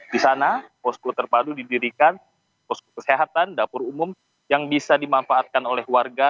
di sana posko terpadu didirikan posko kesehatan dapur umum yang bisa dimanfaatkan oleh warga